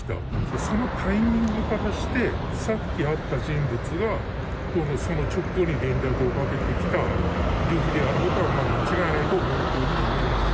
そのタイミングからして、さっき会った人物がその直後に連絡をかけてきたルフィであることは間違いないと思うと。